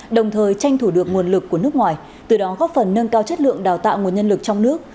đồng thời tranh thủ được nguồn lực của nước ngoài từ đó góp phần nâng cao chất lượng đào tạo nguồn nhân lực trong nước